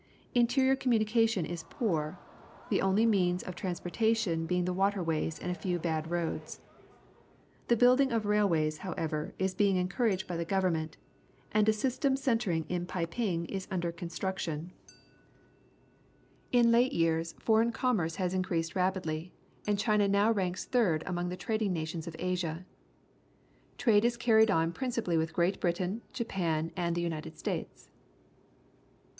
Interior communication is poor, the only means of transportation being the water ways and a few bad roads. The building Farm Landscape and River Ferry, Central China of railways, however, is being encouraged by the government, and a .sj stem centring in Peiping is under construction. In late CHINA 219 years foreign commerce has increased rapidly, and China now ranks third among the trad ing nations of Asia. Trade is carried on principally with Great Britain, Japan, and the United States.